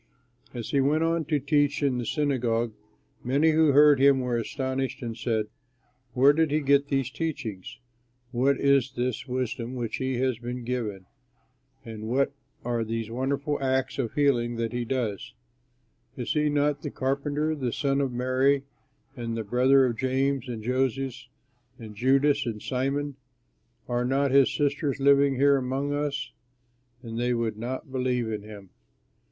As he went on to teach in the synagogue, many who heard him were astonished and said: "Where did he get these teachings? What is this wisdom which has been given him? and what are these wonderful acts of healing that he does? Is he not the carpenter, the son of Mary and the brother of James and Joses and Judas and Simon? Are not his sisters living here among us?" And they would not believe in him.